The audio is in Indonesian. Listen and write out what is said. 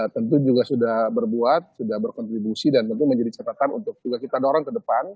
tentu juga sudah berbuat sudah berkontribusi dan tentu menjadi catatan untuk juga kita dorong ke depan